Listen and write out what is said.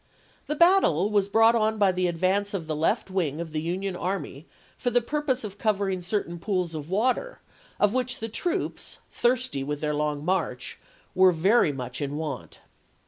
The battle was brought on by the advance of the left wing of the Union army for the purpose of covering certain pools of water of which the troops, thirsty with their long march, were very much in want.